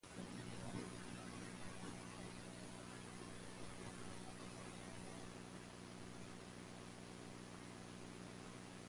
Interfering signals masked by tone squelch will produce apparently random missed messages.